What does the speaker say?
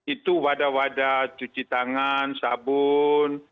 itu wadah wadah cuci tangan sabun